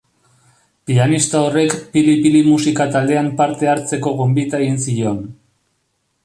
Pianista horrek Pili Pili musika-taldean parte hartzeko gonbita egin zion.